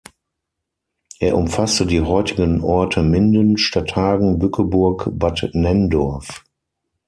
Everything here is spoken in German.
Er umfasste die heutigen Orte Minden, Stadthagen, Bückeburg, Bad Nenndorf.